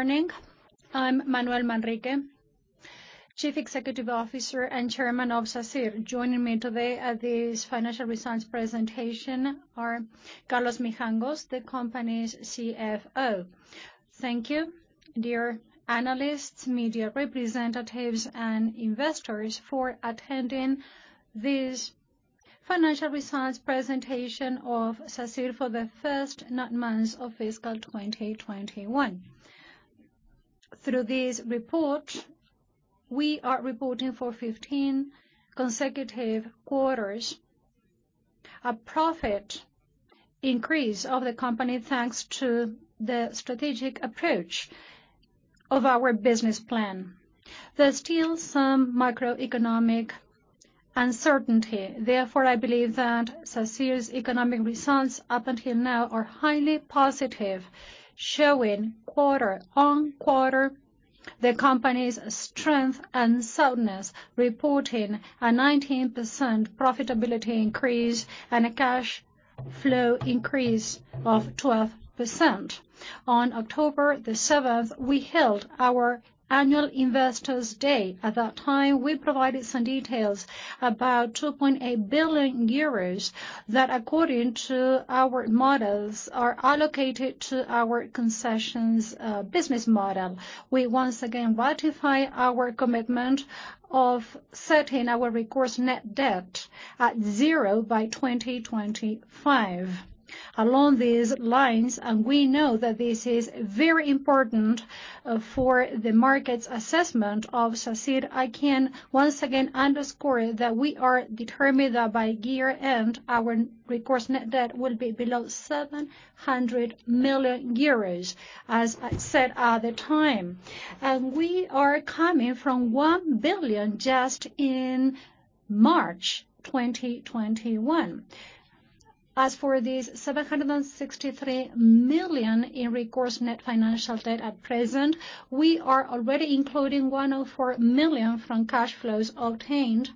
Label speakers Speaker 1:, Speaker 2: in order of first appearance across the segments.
Speaker 1: Morning. I'm Manuel Manrique, Chief Executive Officer and Chairman of Sacyr. Joining me today at this financial results presentation are Carlos Mijangos, the company's CFO. Thank you dear analysts, media representatives, and investors for attending this financial results presentation of Sacyr for the first nine months of fiscal 2021. Through this report, we are reporting for 15 consecutive quarters a profit increase of the company, thanks to the strategic approach of our business plan. There's still some macroeconomic uncertainty, therefore I believe that Sacyr's economic results up until now are highly positive, showing quarter-over-quarter the company's strength and soundness, reporting a 19% profitability increase and a cash flow increase of 12%. On October 7th, we held our annual Investors' Day. At that time, we provided some details about 2.8 billion euros that, according to our models, are allocated to our concessions, business model. We once again ratify our commitment of setting our recourse net debt at 0 by 2025. Along these lines, and we know that this is very important, for the market's assessment of Sacyr, I can once again underscore that we are determined that by year-end, our recourse net debt will be below 700 million euros, as I said at the time. We are coming from 1 billion just in March 2021. As for this 763 million in recourse net financial debt at present, we are already including 104 million from cash flows obtained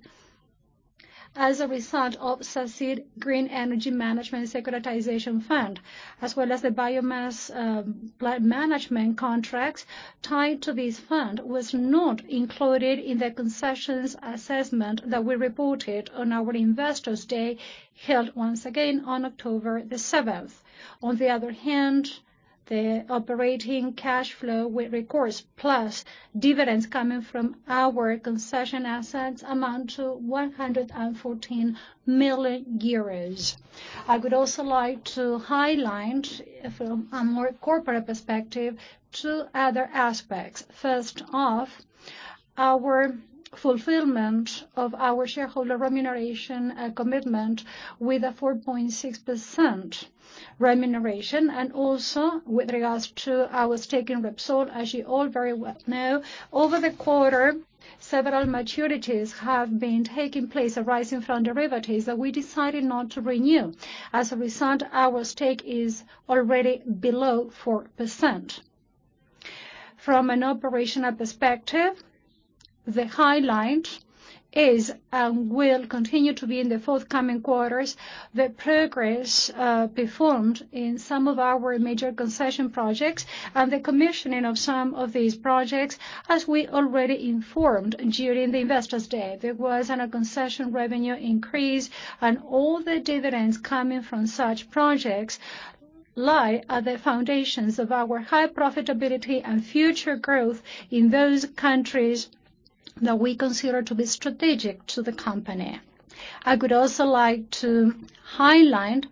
Speaker 1: as a result of Sacyr Green Energy Management securitization fund, as well as the biomass management contracts tied to this fund was not included in the concessions assessment that we reported on our Investors' Day, held once again on October 7th. On the other hand, the operating cash flow with recourse, plus dividends coming from our concession assets amount to 114 million euros. I would also like to highlight from a more corporate perspective two other aspects. First off, our fulfillment of our shareholder remuneration commitment with a 4.6% remuneration, and also with regards to our stake in Repsol. As you all very well know, over the quarter, several maturities have been taking place arising from derivatives that we decided not to renew. As a result, our stake is already below 4%. From an operational perspective, the highlight is, and will continue to be in the forthcoming quarters, the progress performed in some of our major concession projects and the commissioning of some of these projects. As we already informed during the Investors' Day, there was a concession revenue increase, and all the dividends coming from such projects lie at the foundations of our high profitability and future growth in those countries that we consider to be strategic to the company. I would also like to highlight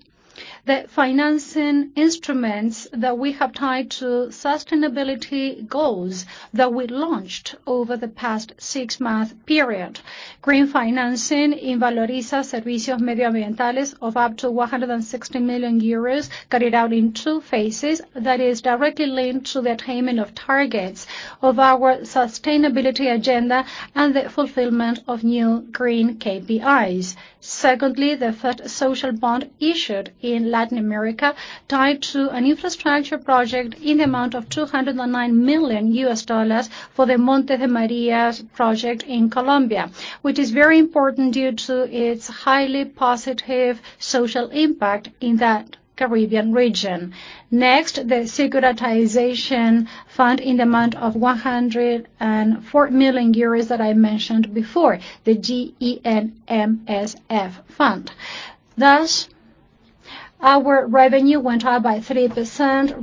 Speaker 1: the financing instruments that we have tied to sustainability goals that we launched over the past six-month period. Green financing in Valoriza Servicios Medioambientales of up to 160 million euros, carried out in two phases that is directly linked to the attainment of targets of our sustainability agenda and the fulfillment of new green KPIs. Secondly, the first social bond issued in Latin America tied to an infrastructure project in the amount of $209 million for the Montes de Maria project in Colombia, which is very important due to its highly positive social impact in that Caribbean region. Next, the securitization fund in the amount of 104 million euros that I mentioned before, the SGEM fund. Thus, our revenue went up by 3%,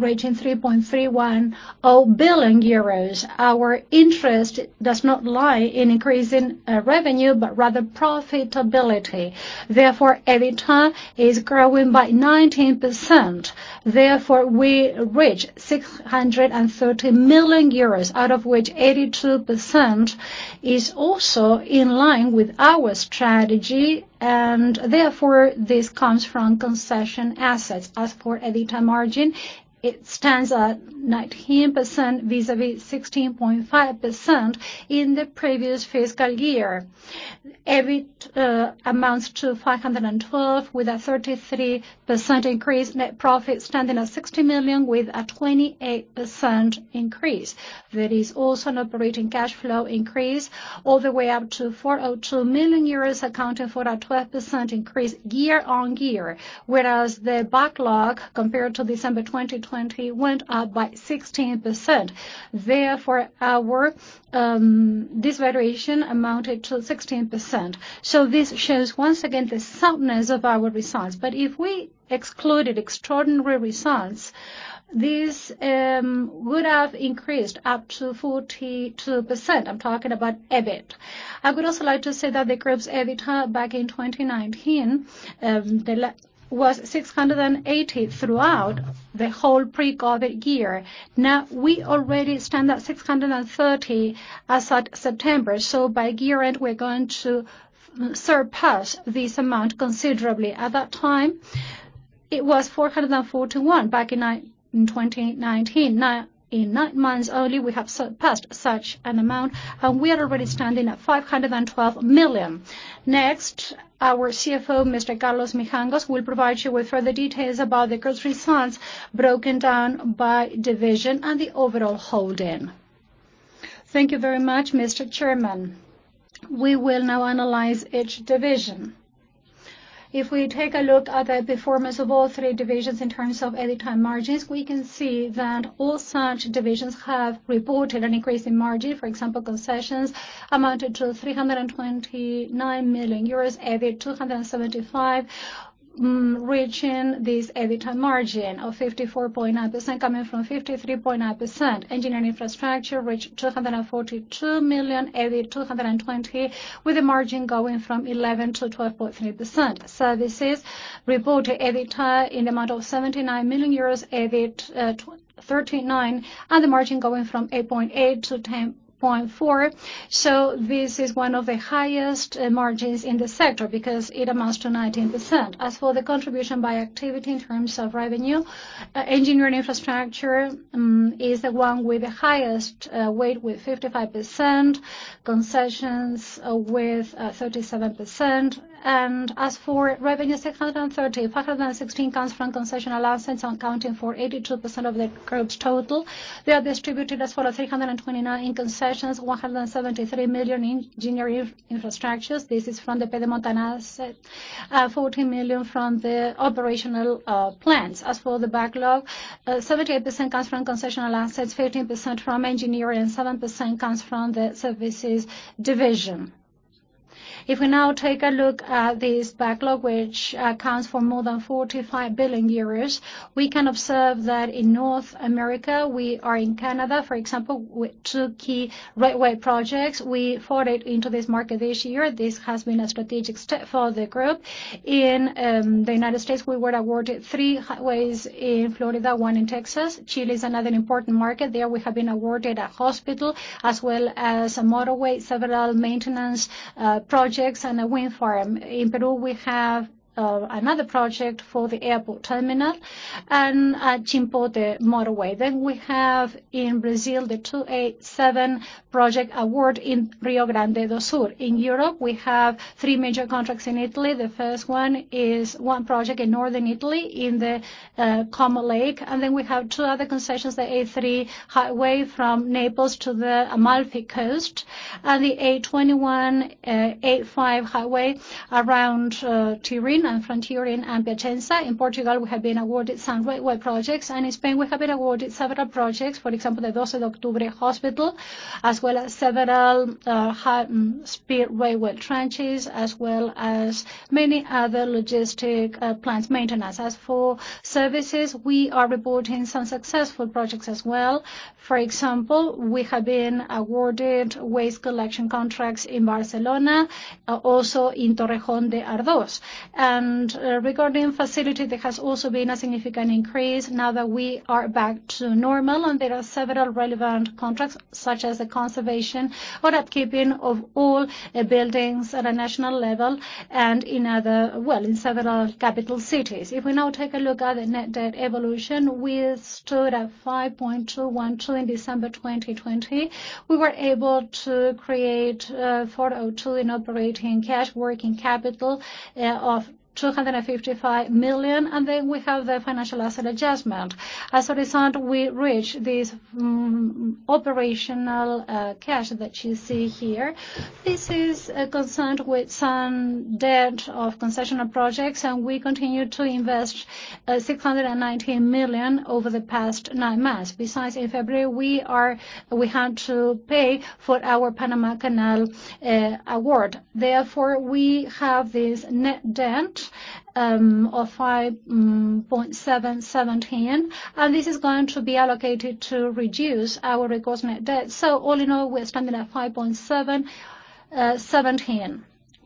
Speaker 1: reaching 3.310 billion euros. Our interest does not lie in increasing revenue, but rather profitability. Therefore, EBITDA is growing by 19%. Therefore, we reach 630 million euros, out of which 82% is also in line with our strategy, and therefore this comes from concession assets. As for EBITDA margin, it stands at 19% vis-à-vis 16.5% in the previous fiscal year. EBIT amounts to 512 million, with a 33% increase. Net profit standing at 60 million with a 28% increase. There is also an operating cash flow increase all the way up to 402 million euros accounting for a 12% increase year-on-year, whereas the backlog compared to December 2020 went up by 16%. Therefore our this variation amounted to 16%. This shows once again the soundness of our results. If we excluded extraordinary results, this would have increased up to 42%. I'm talking about EBIT. I would also like to say that the group's EBIT back in 2019 was 680 million throughout the whole pre-COVID year. Now, we already stand at 630 million as at September. By year-end, we're going to surpass this amount considerably. At that time, it was 441 million back in 2019. Now in nine months only, we have surpassed such an amount, and we are already standing at 512 million. Next, our CFO, Mr. Carlos Mijangos, will provide you with further details about the group's results broken down by division and the overall holding.
Speaker 2: Thank you very much, Mr. Chairman. We will now analyze each division. If we take a look at the performance of all three divisions in terms of EBITDA margins, we can see that all such divisions have reported an increase in margin. For example, concessions amounted to 329 million euros, EBIT 275, reaching this EBITDA margin of 54.9% coming from 53.9%. Engineering infrastructure reached 242 million, EBIT 220, with a margin going from 11%-12.3%. Services reported EBITDA in the amount of 79 million euros, EBIT 39%, and the margin going from 8.8%-10.4%. This is one of the highest margins in the sector because it amounts to 19%. As for the contribution by activity in terms of revenue, engineering infrastructure is the one with the highest weight with 55%, concessions with 37%. As for revenue, 635,516 comes from concession assets accounting for 82% of the group's total. They are distributed as follows. 329 in concessions, 173 million in engineering infrastructures. This is from the Pedemontana asset. 14 million from the operational plans. As for the backlog, 78% comes from concession assets, 13% from engineering, and 7% comes from the services division. If we now take a look at this backlog, which accounts for more than 45 billion euros, we can observe that in North America, we are in Canada, for example, with two key railway projects. We forayed into this market this year. This has been a strategic step for the group. In the United States, we were awarded three highways in Florida, one in Texas. Chile is another important market. There we have been awarded a hospital, as well as a motorway, several maintenance projects, and a wind farm. In Peru, we have another project for the airport terminal and Chimbote the motorway. We have in Brazil the RSC-287 project award in Rio Grande do Sul. In Europe, we have three major contracts in Italy. The first one is one project in northern Italy in the Lake Como. We have two other concessions, the A3 highway from Naples to the Amalfi Coast and the A21, A5 highway around Turin and from Turin and Piacenza. In Portugal, we have been awarded some railway projects, and in Spain, we have been awarded several projects, for example, the 12 de Octubre hospital, as well as several high-speed railway stretches, as well as many other logistics plant maintenance. As for services, we are reporting some successful projects as well. For example, we have been awarded waste collection contracts in Barcelona, also in Torrejón de Ardoz. Regarding facilities, there has also been a significant increase now that we are back to normal, and there are several relevant contracts such as the conservation or upkeeping of all buildings at a national level and in several capital cities. If we now take a look at the net debt evolution, we stood at 5.212 billion in December 2020. We were able to create 402 in operating cash working capital of 255 million, and then we have the financial asset adjustment. As a result, we reach this operational cash that you see here. This is concerned with some debt of concession projects, and we continued to invest 619 million over the past nine months. Besides, in February we had to pay for our Panama Canal award. Therefore, we have this net debt of 5.717 billion, and this is going to be allocated to reduce our recourse net debt. All in all, we're standing at 5.717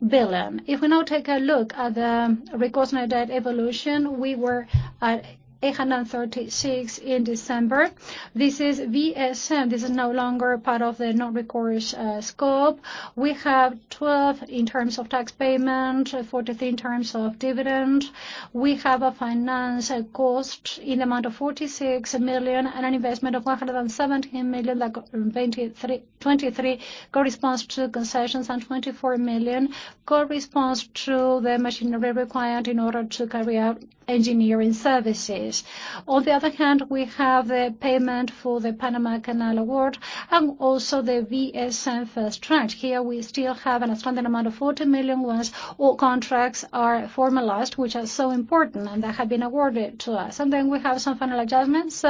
Speaker 2: billion. If we now take a look at the recourse net debt evolution, we were at 836 million in December. This is VSM. This is no longer part of the non-recourse scope. We have 12 million in terms of tax payment, 14 million in terms of dividend. We have a finance cost in the amount of 46 million and an investment of 117 million, like 23 million corresponds to concessions and 24 million corresponds to the machinery required in order to carry out engineering services. On the other hand, we have a payment for the Panama Canal award and also the VSM first tranche. Here, we still have an outstanding amount of 40 million. All contracts are formalized, which are so important and that have been awarded to us. We have some final adjustments.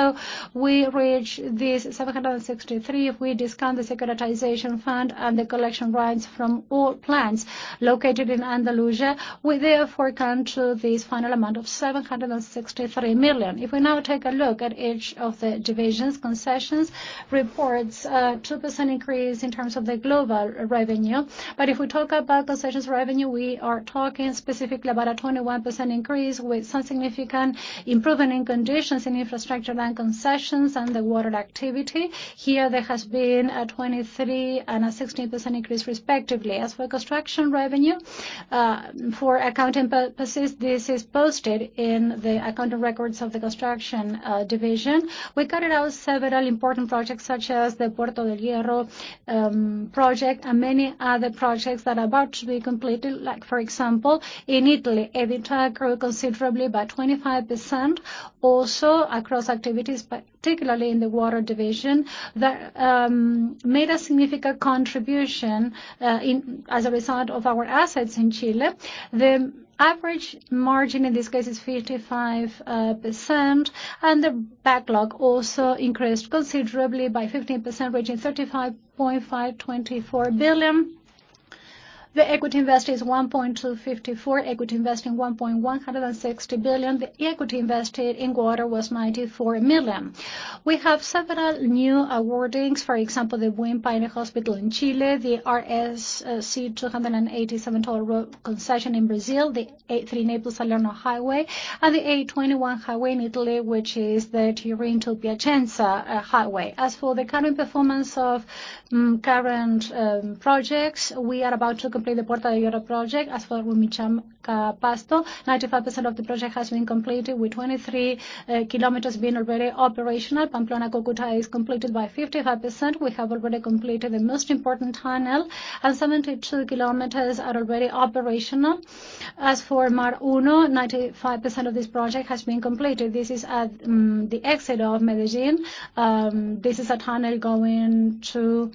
Speaker 2: We reach this 763, if we discount the securitization fund and the collection rights from all plants located in Andalusia. We therefore come to this final amount of 763 million. If we now take a look at each of the divisions, concessions reports a 2% increase in terms of the global revenue. If we talk about concessions revenue, we are talking specifically about a 21% increase with some significant improvement in conditions in infrastructure and concessions and the water activity. Here, there has been a 23% and a 16% increase respectively. As for construction revenue, for accounting purposes, this is posted in the accounting records of the construction division. We carried out several important projects such as the Puerta de Hierro project and many other projects that are about to be completed. Like, for example, in Italy, EBITDA grew considerably by 25%. Also across activities, particularly in the water division, that made a significant contribution in... As a result of our assets in Chile. The average margin in this case is 55%, and the backlog also increased considerably by 15%, reaching 35.524 billion. The equity invested is 1.254 billion. Equity invested in 1.160 billion. The equity invested in water was 94 million. We have several new awards, for example, the Buin-Paine Hospital in Chile, the RSC-287 toll road concession in Brazil, the A3 Naples-Salerno highway, and the A21 highway in Italy, which is the Turin to Piacenza highway. As for the current performance of our current projects, we are about to complete the Puerta de Hierro project, as well as Rumichaca-Pasto. 95% of the project has been completed, with 23 km being already operational. Pamplona-Cúcuta is completed by 55%. We have already completed the most important tunnel, and 72 km are already operational. As for Mar 1, 95% of this project has been completed. This is at the exit of Medellín. This is a tunnel going to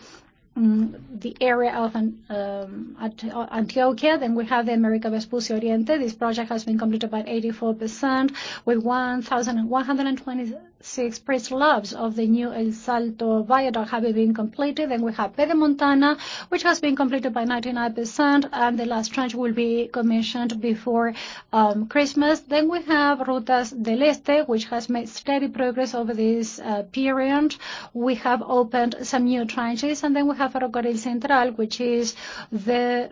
Speaker 2: the area of Antioquia. We have the Américo Vespucio Oriente. This project has been completed by 84%, with 1,126 bridge slabs of the new El Salto viaduct having been completed. We have Pedemontana-Veneta, which has been completed by 99%, and the last tranche will be commissioned before Christmas. We have Rutas del Este, which has made steady progress over this period. We have opened some new tranches, and then we have Rocordal Central, which is the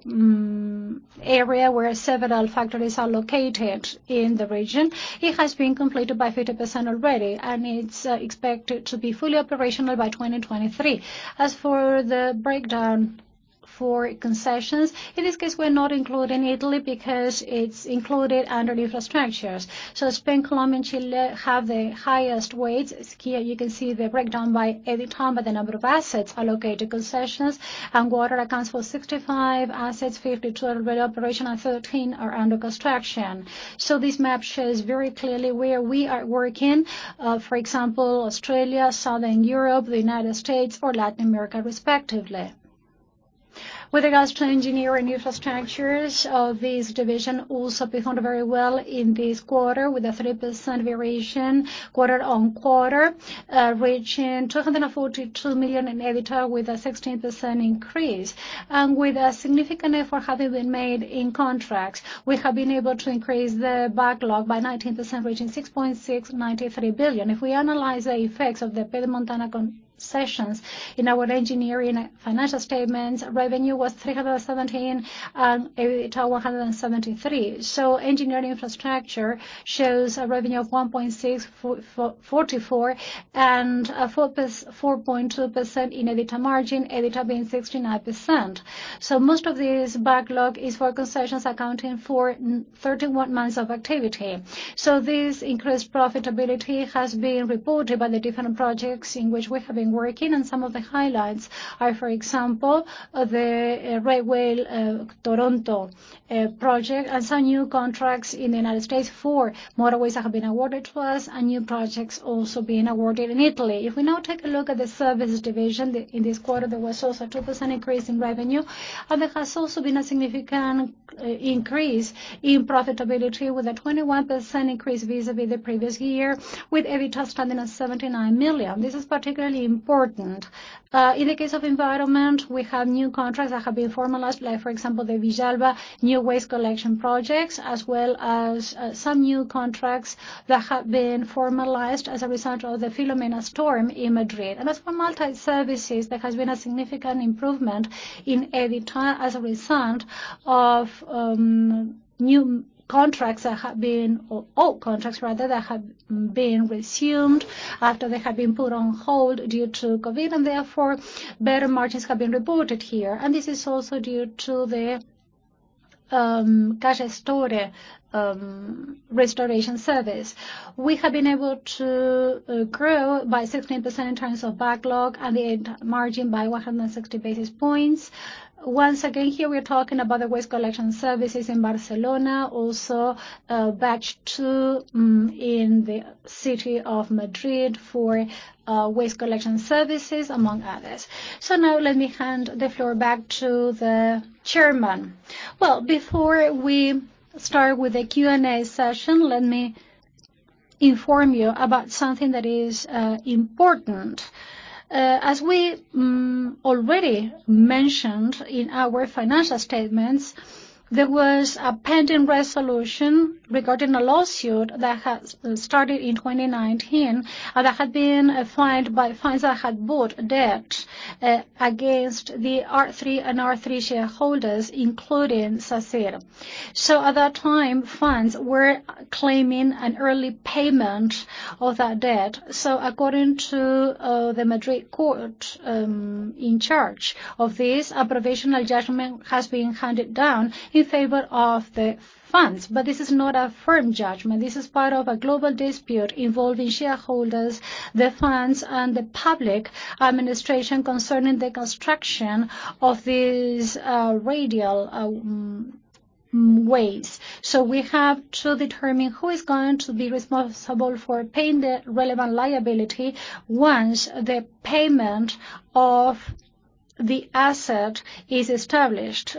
Speaker 2: area where several factories are located in the region. It has been completed by 50% already, and it's expected to be fully operational by 2023. As for the breakdown for concessions, in this case, we're not including Italy because it's included under infrastructures. Spain, Colombia, and Chile have the highest weights. Here you can see the breakdown by EBITDA, by the number of assets allocated concessions, and water accounts for 65 assets, 52 are already operational, 13 are under construction. This map shows very clearly where we are working. For example, Australia, Southern Europe, the United States or Latin America, respectively. With regards to engineering infrastructures, this division also performed very well in this quarter with a 3% variation quarter-on-quarter, reaching 242 million in EBITDA with a 16% increase. With a significant effort having been made in contracts, we have been able to increase the backlog by 19%, reaching 6.693 billion. If we analyze the effects of the Pedemontana-Veneta concessions in our engineering financial statements, revenue was 317 million, EBITDA 173 million. Engineering infrastructure shows a revenue of 1.644 billion and a 4.2% EBITDA margin, EBITDA being 69 million. Most of this backlog is for concessions accounting for 31 months of activity. This increased profitability has been reported by the different projects in which we have been working, and some of the highlights are, for example, the railway Toronto project and some new contracts in the United States, four motorways that have been awarded to us and new projects also being awarded in Italy. If we now take a look at the services division, in this quarter, there was also a 2% increase in revenue. There has also been a significant increase in profitability with a 21% increase vis-à-vis the previous year, with EBITDA standing at 79 million. This is particularly important. In the case of environment, we have new contracts that have been formalized, like for example, the Villalba new waste collection projects, as well as some new contracts that have been formalized as a result of the Filomena storm in Madrid. As for multiservices, there has been a significant improvement in EBITDA as a result of, or old contracts rather, that have been resumed after they have been put on hold due to COVID, and therefore, better margins have been reported here. This is also due to the Casa Estore restoration service. We have been able to grow by 16% in terms of backlog and the margin by 160 basis points. Once again, here we're talking about the waste collection services in Barcelona, also, batch two in the city of Madrid for waste collection services, among others. Now let me hand the floor back to the chairman.
Speaker 1: Well, before we start with the Q&A session, let me inform you about something that is important. As we already mentioned in our financial statements, there was a pending resolution regarding a lawsuit that had started in 2019, that had been filed by funds that had bought debt against the R3 shareholders, including Sacyr. At that time, funds were claiming an early payment of that debt. According to the Madrid court in charge of this, a provisional judgment has been handed down in favor of the funds. This is not a firm judgment. This is part of a global dispute involving shareholders, the funds, and the public administration concerning the construction of these radial ways. We have to determine who is going to be responsible for paying the relevant liability once the payment of the asset is established,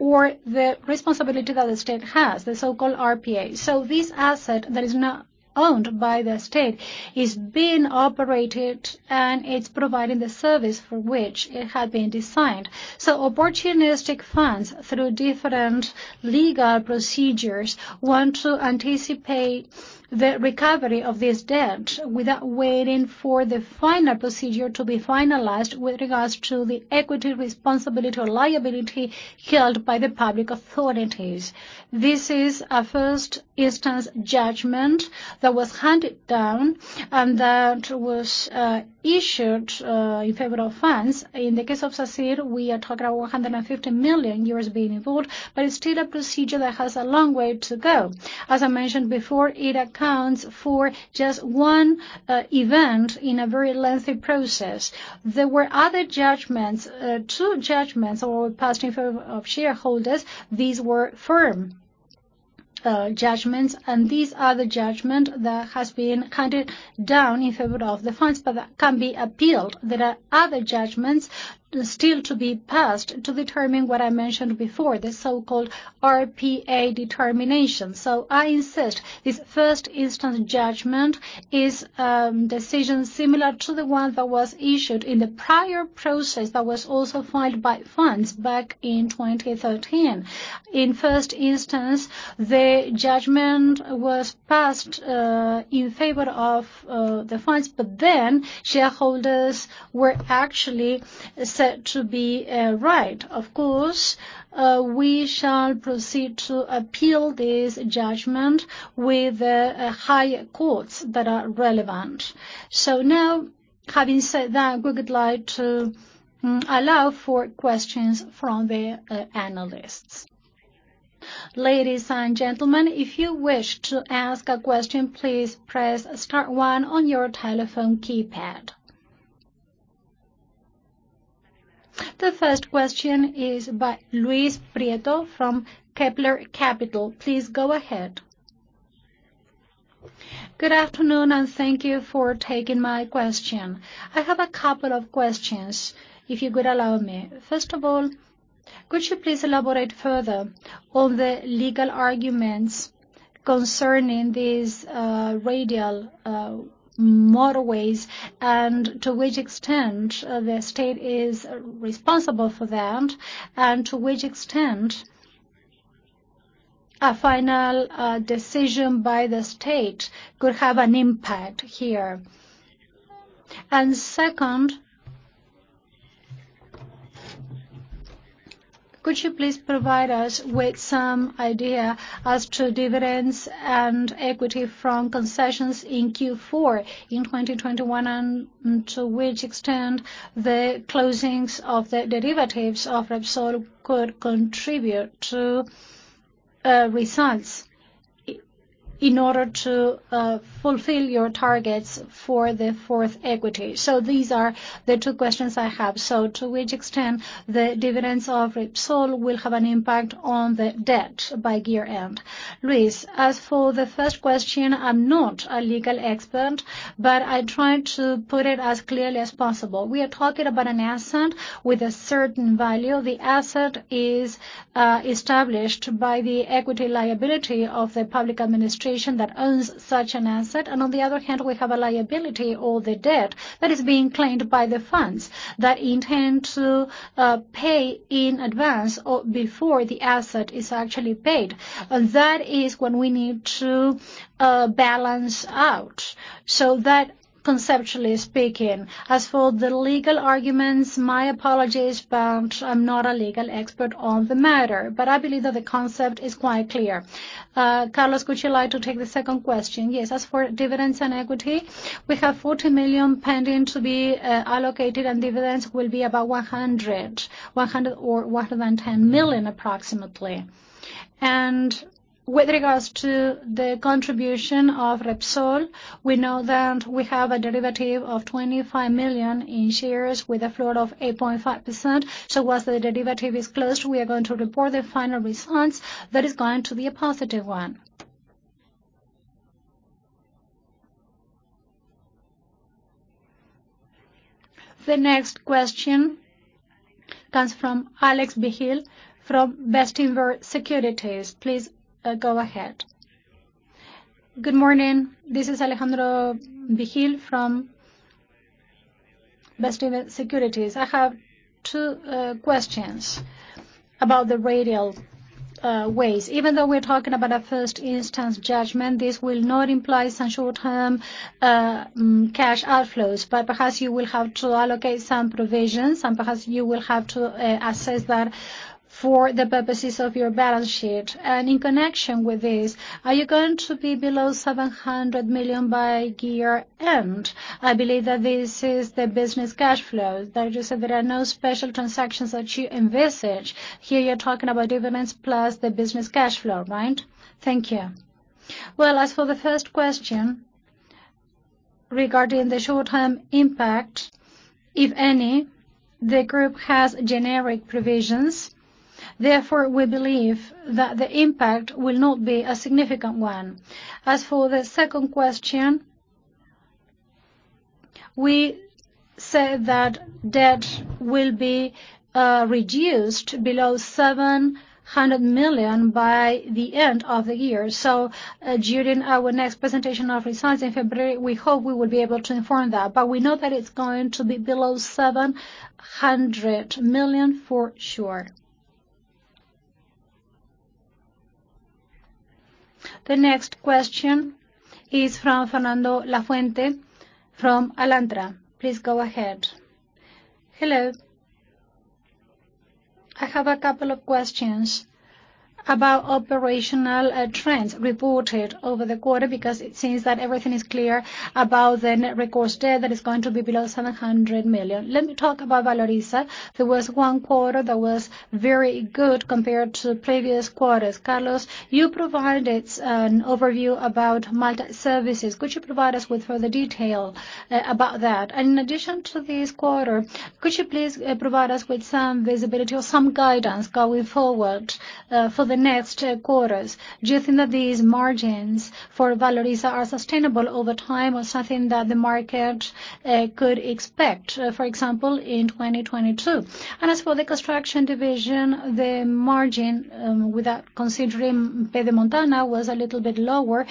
Speaker 1: or the responsibility that the state has, the so-called RPA. This asset that is now owned by the state is being operated, and it's providing the service for which it had been designed. Opportunistic funds through different legal procedures want to anticipate the recovery of this debt without waiting for the final procedure to be finalized with regards to the equity responsibility or liability held by the public authorities. This is a first instance judgment that was handed down and that was issued in favor of funds. In the case of Sacyr, we are talking about 150 million euros being involved, but it's still a procedure that has a long way to go. As I mentioned before, it accounts for just one event in a very lengthy process. There were other judgments, two judgments that were passed in favor of shareholders. These were firm judgments, and these are the judgment that has been handed down in favor of the funds, but that can be appealed. There are other judgments still to be passed to determine what I mentioned before, the so-called RPA determination. I insist this first instance judgment is decision similar to the one that was issued in the prior process that was also filed by funds back in 2013. In first instance, the judgment was passed in favor of the funds, but then shareholders were actually said to be right. Of course, we shall proceed to appeal this judgment with the higher courts that are relevant. Now, having said that, we would like to allow for questions from the analysts.
Speaker 3: Ladies and gentlemen if you wish to ask a question please press star one on your telephone keypad. The first question is by Luis Prieto from Kepler Capital. Please go ahead.
Speaker 4: Good afternoon, and thank you for taking my question. I have a couple of questions, if you could allow me. First of all, could you please elaborate further on the legal arguments concerning these radial motorways, and to which extent the state is responsible for that, and to which extent a final decision by the state could have an impact here? Second, could you please provide us with some idea as to dividends and equity from concessions in Q4 in 2021, and to which extent the closings of the derivatives of Repsol could contribute to results in order to fulfill your targets for the fourth quarter? These are the two questions I have. To which extent the dividends of Repsol will have an impact on the debt by year-end?
Speaker 1: Luis, as for the first question, I'm not a legal expert, but I try to put it as clearly as possible. We are talking about an asset with a certain value. The asset is established by the equity liability of the public administration that owns such an asset. On the other hand, we have a liability or the debt that is being claimed by the funds that intend to pay in advance or before the asset is actually paid. That is when we need to balance out conceptually speaking. As for the legal arguments, my apologies, but I'm not a legal expert on the matter, but I believe that the concept is quite clear. Carlos, would you like to take the second question?
Speaker 2: Yes. As for dividends and equity, we have 40 million pending to be allocated, and dividends will be about 100 million or 110 million approximately. With regards to the contribution of Repsol, we know that we have a derivative of 25 million in shares with a floor of 8.5%. Once the derivative is closed, we are going to report the final results. That is going to be a positive one.
Speaker 3: The next question comes from Alejandro Vigil from Bestinver Securities. Please go ahead.
Speaker 5: Good morning. This is Alejandro Vigil from Bestinver Securities. I have two questions about the radial ways. Even though we're talking about a first instance judgment, this will not imply some short-term cash outflows, but perhaps you will have to allocate some provisions, and perhaps you will have to assess that for the purposes of your balance sheet. In connection with this, are you going to be below 700 million by year end? I believe that this is the business cash flow, that you said there are no special transactions that you envisage. Here, you're talking about dividends plus the business cash flow, right? Thank you.
Speaker 1: Well, as for the first question, regarding the short-term impact, if any, the group has generic provisions. Therefore, we believe that the impact will not be a significant one. As for the second question, we said that debt will be reduced below 700 million by the end of the year. During our next presentation of results in February, we hope we will be able to inform that. We know that it's going to be below 700 million for sure.
Speaker 3: The next question is from Fernando Lafuente from Alantra. Please go ahead.
Speaker 6: Hello. I have a couple of questions about operational trends reported over the quarter, because it seems that everything is clear about the net recourse debt that is going to be below 700 million. Let me talk about Valoriza. There was one quarter that was very good compared to previous quarters. Carlos, you provided an overview about multi-services. Could you provide us with further detail about that? In addition to this quarter, could you please provide us with some visibility or some guidance going forward for the next quarters? Do you think that these margins for Valoriza are sustainable over time or something that the market could expect, for example, in 2022? As for the construction division, the margin without considering Pedemontana was a little bit lower,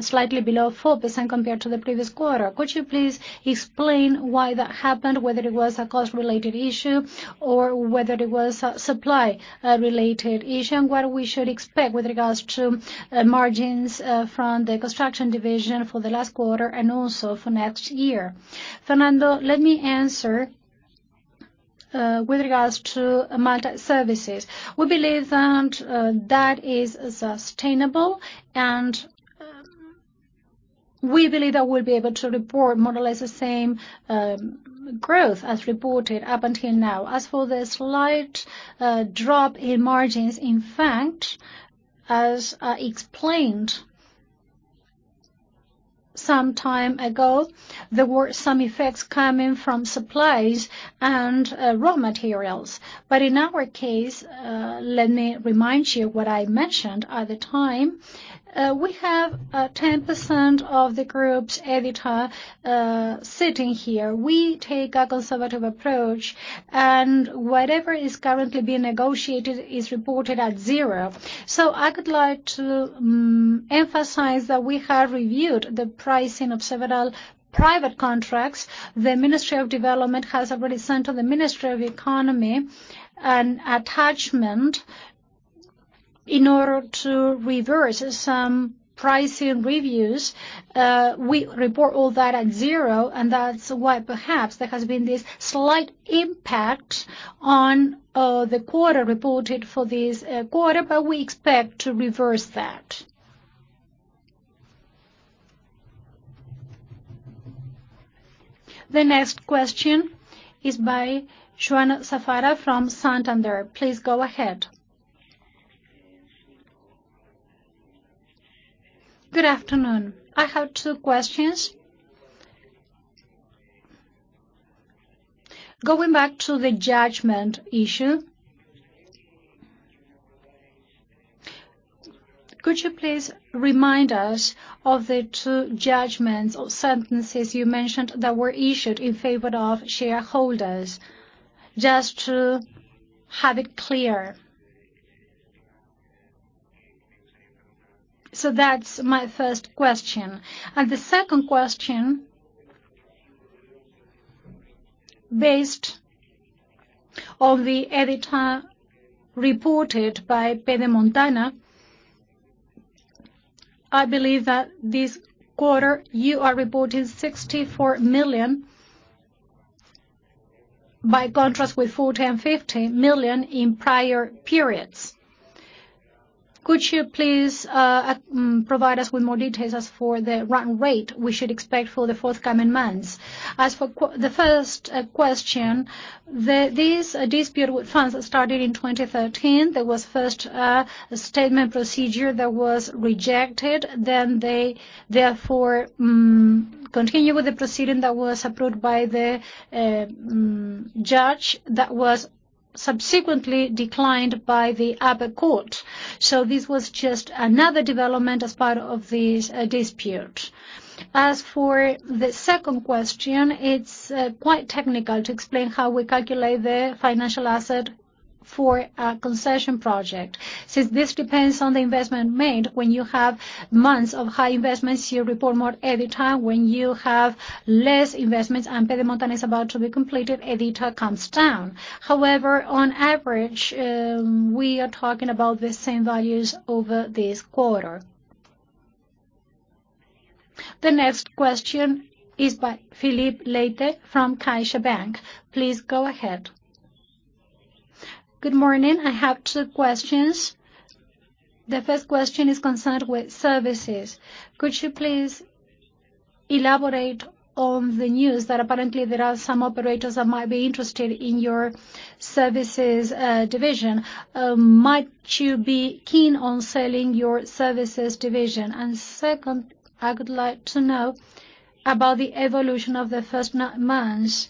Speaker 6: slightly below 4% compared to the previous quarter. Could you please explain why that happened, whether it was a cost-related issue or whether it was a supply related issue, and what we should expect with regards to margins from the construction division for the last quarter and also for next year?
Speaker 1: Fernando, let me answer with regards to multi-services. We believe that is sustainable, and we believe that we'll be able to report more or less the same growth as reported up until now. As for the slight drop in margins, in fact, as explained some time ago, there were some effects coming from supplies and raw materials. In our case, let me remind you what I mentioned at the time. We have 10% of the group's EBITDA sitting here. We take a conservative approach, and whatever is currently being negotiated is reported at zero. I would like to emphasize that we have reviewed the pricing of several private contracts. The Ministry of Development has already sent to the Ministry of Economy an attachment in order to reverse some pricing reviews. We report all that at zero, and that's why perhaps there has been this slight impact on the quarter reported for this quarter, but we expect to reverse that.
Speaker 3: The next question is by João Safara from Santander. Please go ahead.
Speaker 7: Good afternoon. I have two questions. Going back to the judgment issue, could you please remind us of the two judgments or sentences you mentioned that were issued in favor of shareholders, just to have it clear? So that's my first question. The second question, based on the EBITDA reported by Pedemontana, I believe that this quarter you are reporting 64 million by contrast with 4,050 million in prior periods. Could you please provide us with more details as for the run rate we should expect for the forthcoming months?
Speaker 2: As for the first question, this dispute with funds that started in 2013, there was first a statement procedure that was rejected. They therefore continue with the proceeding that was approved by the judge that was subsequently declined by the upper court. This was just another development as part of this dispute. As for the second question, it's quite technical to explain how we calculate the financial asset for a concession project. Since this depends on the investment made, when you have months of high investments, you report more EBITDA. When you have less investments and Pedemontana is about to be completed, EBITDA comes down. However, on average, we are talking about the same values over this quarter.
Speaker 3: The next question is by Filipe Leite from CaixaBank. Please go ahead.
Speaker 8: Good morning. I have two questions. The first question is concerned with services. Could you please elaborate on the news that apparently there are some operators that might be interested in your services division? Might you be keen on selling your services division? Second, I would like to know about the evolution of the first nine months.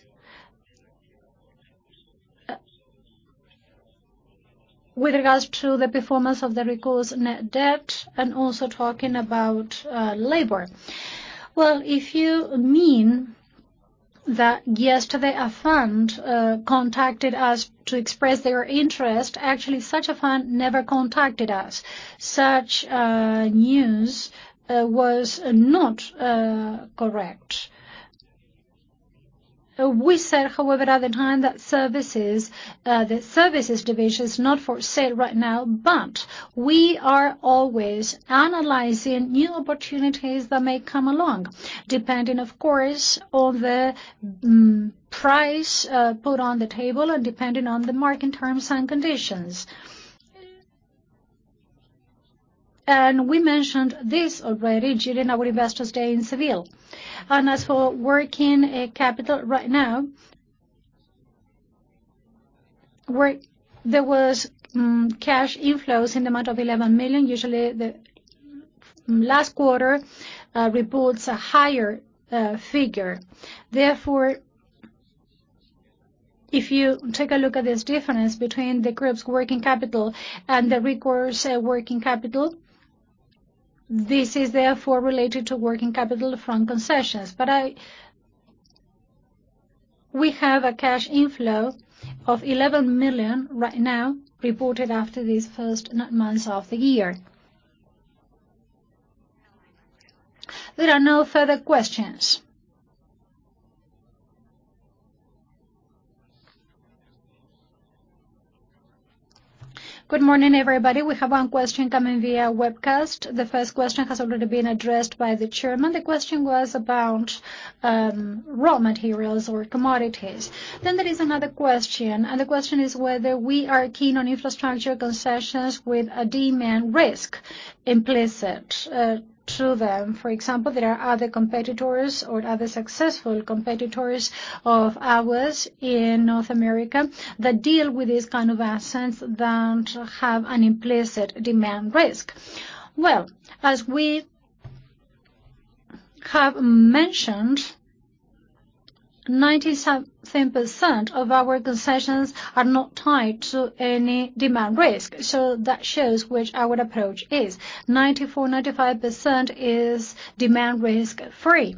Speaker 8: With regards to the performance of the recourse net debt and also talking about leverage.
Speaker 1: If you mean that yesterday a fund contacted us to express their interest, actually such a fund never contacted us. Such news was not correct. We said, however, at the time that services, the services division is not for sale right now, but we are always analyzing new opportunities that may come along, depending of course, on the price put on the table and depending on the market terms and conditions. We mentioned this already during our Investors Day in Seville. As for working capital right now, there was cash inflows in the amount of 11 million.
Speaker 2: Usually the last quarter reports a higher figure. Therefore, if you take a look at this difference between the group's working capital and the recourse working capital, this is therefore related to working capital from concessions. We have a cash inflow of 11 million right now reported after these first nine months of the year.
Speaker 3: There are no further questions.
Speaker 2: Good morning, everybody. We have one question coming via webcast. The first question has already been addressed by the chairman. The question was about raw materials or commodities. Then there is another question, and the question is whether we are keen on infrastructure concessions with a demand risk implicit to them. For example, there are other competitors or other successful competitors of ours in North America that deal with this kind of assets that have an implicit demand risk.
Speaker 1: Well, as we have mentioned, 90-some% of our concessions are not tied to any demand risk, so that shows which our approach is. 94, 95% is demand risk-free,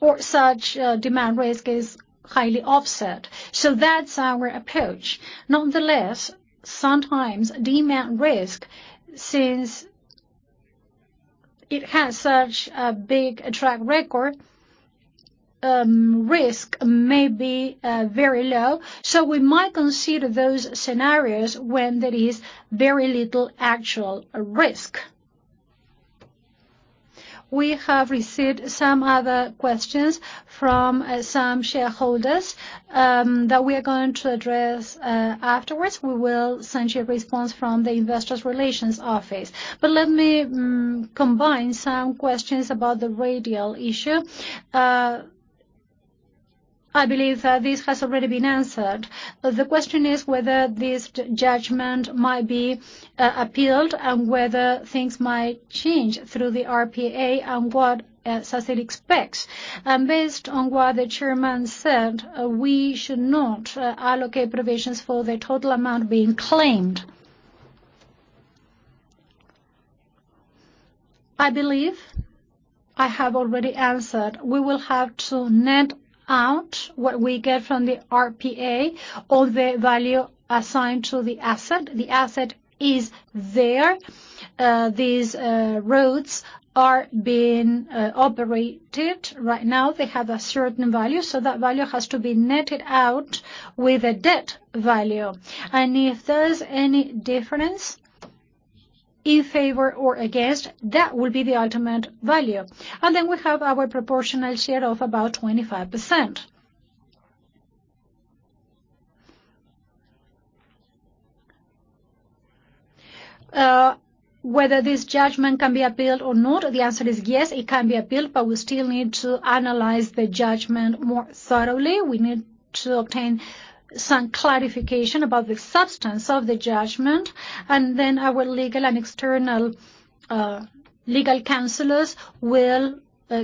Speaker 1: or such, demand risk is highly offset. That's our approach. Nonetheless, sometimes demand risk, since it has such a big track record, risk may be very low, so we might consider those scenarios when there is very little actual risk. We have received some other questions from some shareholders that we are going to address afterwards. We will send you a response from the Investor Relations office. Let me combine some questions about the radial issue. I believe this has already been answered, but the question is whether this t-judgment might be appealed and whether things might change through the RPA and what Sacyr expects.
Speaker 2: Based on what the Chairman said, we should not allocate provisions for the total amount being claimed. I believe I have already answered. We will have to net out what we get from the RPA or the value assigned to the asset. The asset is there. These roads are being operated right now. They have a certain value, so that value has to be netted out with a debt value. If there's any difference in favor or against, that will be the ultimate value. Then we have our proportional share of about 25%. Whether this judgment can be appealed or not, the answer is yes, it can be appealed, but we still need to analyze the judgment more thoroughly.
Speaker 1: We need to obtain some clarification about the substance of the judgment, and then our legal and external legal counselors will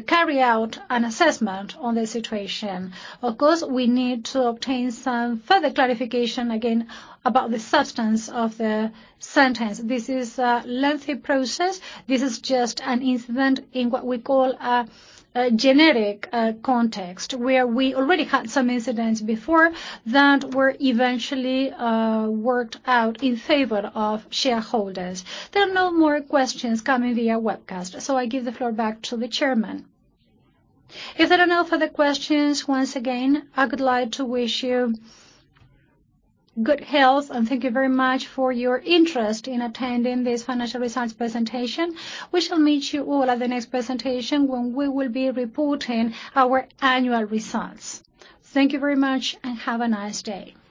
Speaker 1: carry out an assessment on the situation. Of course, we need to obtain some further clarification again about the substance of the sentence. This is a lengthy process. This is just an incident in what we call a general context, where we already had some incidents before that were eventually worked out in favor of shareholders.
Speaker 3: There are no more questions coming via webcast, so I give the floor back to the chairman.
Speaker 1: If there are no further questions, once again, I would like to wish you good health, and thank you very much for your interest in attending this financial results presentation. We shall meet you all at the next presentation when we will be reporting our annual results. Thank you very much and have a nice day.